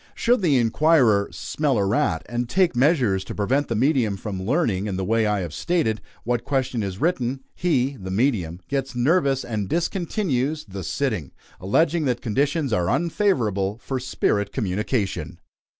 Should the inquirer "smell a rat," and take measures to prevent the medium from learning, in the way I have stated, what question is written, he (the medium) gets nervous and discontinues the "sitting," alleging that conditions are unfavorable for spirit communication.